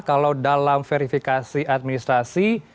kalau dalam verifikasi administrasi